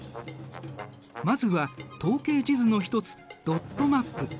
まずは統計地図の一つドットマップ。